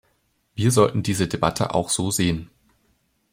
Wir sollten diese Debatte auch so sehen.